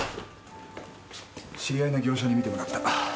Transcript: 知り合いの業者に見てもらった。